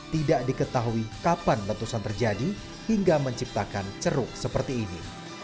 tidak diketahui kapan letusan terjadi hingga menciptakan ceruk seperti ini